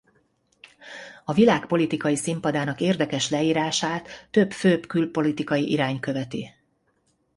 A világ politikai színpadának érdekes leírását több főbb külpolitikai irány követi.